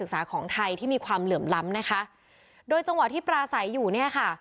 ของไทยที่มีความเหลื่อมล้ำนะคะโดยจังหวะที่ปราศัยอยู่เนี่ยค่ะ